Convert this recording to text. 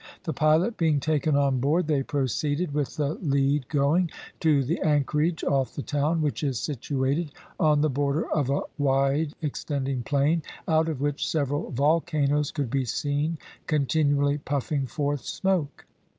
The pilot being taken on board, they proceeded with the lead going, to the anchorage off the town, which is situated on the border of a wide extending plain, out of which several volcanoes could be seen continually puffing forth smoke.